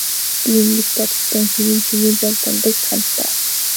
Би ингэж бодож байна хэмээн Чингүнжав Дондогт хандлаа.